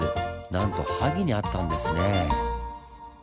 なんと萩にあったんですねぇ。